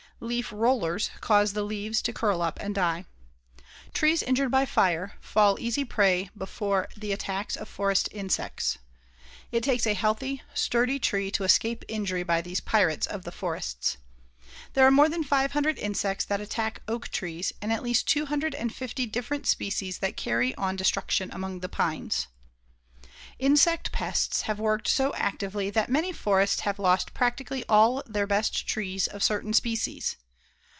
Leaf rollers cause the leaves to curl up and die. Trees injured by fire fall easy prey before the attacks of forest insects. It takes a healthy, sturdy tree to escape injury by these pirates of the forests. There are more than five hundred insects that attack oak trees and at least two hundred and fifty different species that carry on destruction among the pines. Insect pests have worked so actively that many forests have lost practically all their best trees of certain species.